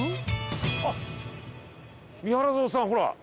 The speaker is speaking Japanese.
あっ「三原堂」さんほら。